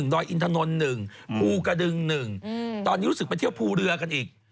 ดอยอินทนน๑ภูกระดึง๑ตอนนี้รู้สึกไปเที่ยวภูเรือกันอีก